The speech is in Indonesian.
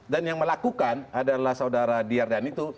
dan yang melakukan adalah saudara di ardhan itu